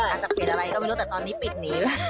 อาจจะเปลี่ยนอะไรก็ไม่รู้แต่ตอนนี้ปิดนี้